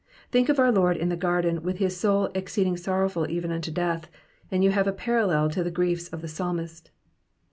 Think of our Lord in the garden, with his '* soul exceeding sorrowful even unto death," and you have a parallel to the griefs of the psalmist.